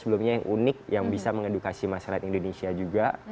sebelumnya yang unik yang bisa mengedukasi masyarakat indonesia juga